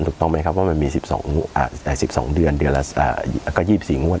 ถูกต้องไหมครับว่ามันมี๑๒เดือนเดือนละ๒๔งวด